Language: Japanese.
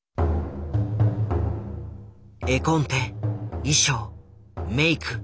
絵コンテ衣装メイク